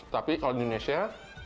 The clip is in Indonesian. tapi kalau di indonesia